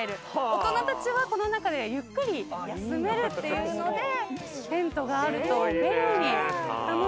大人たちはこの中でゆっくり休めるっていうのでテントがあると便利楽しく遊ぶことができます。